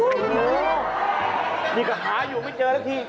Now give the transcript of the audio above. นี่ก็หาอยู่ไม่เจอละที